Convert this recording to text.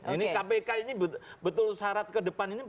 ini kpk ini betul syarat ke depan ini